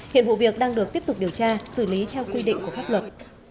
hiện vụ việc đang được tiếp tục điều tra xử lý theo quy định của pháp luật